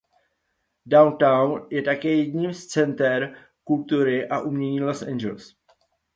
Downtown je také jedním z center kultury a umění Los Angeles.